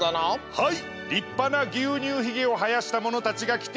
はい！